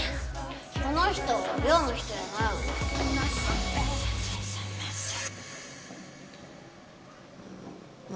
この人寮の人やないよな？